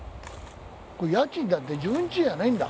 家賃だって自分ちじゃないんだ。